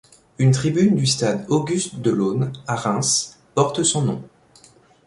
Une tribune du Stade Auguste-Delaune, à Reims, porte son nom.